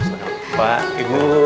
saya mau ketemu ust musa